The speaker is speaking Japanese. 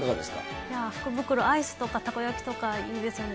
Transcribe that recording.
アイスとかたこ焼きとかいいですよね。